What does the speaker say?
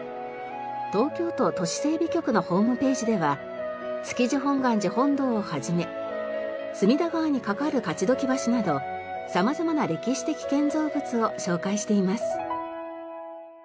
東京都都市整備局のホームページでは築地本願寺本堂を始め隅田川に架かる勝鬨橋など様々な歴史的建造物を紹介しています。